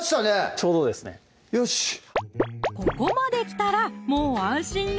ちょうどですねよしここまで来たらもう安心ね